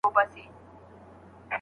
نور یې غم نه وي د نورو له دردونو